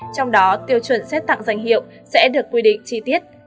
trong đó tiêu chuẩn xét tặng danh hiệu sẽ được quy định chi tiết